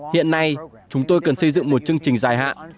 hiện nay chúng tôi cần xây dựng một chương trình dài hạn